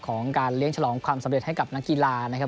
ของการเลี้ยงฉลองความสำเร็จให้กับนักกีฬานะครับ